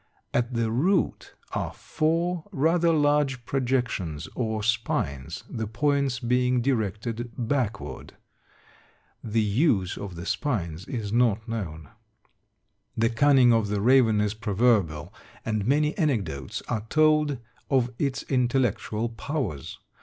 At the root are four rather large projections or spines, the points being directed backward. The use of the spines is not known. The cunning of the raven is proverbial, and many anecdotes are told of its intellectual powers.